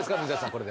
これで。